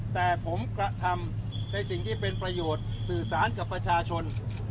แต่ผมกระทำในสิ่งที่เป็นประโยชน์สื่อสารกับประชาชน